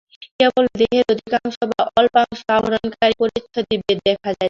কেবল দেহের অধিকাংশ বা অল্পাংশ আবরণকারী পরিচ্ছদেই ভেদ দেখা যাইতেছে।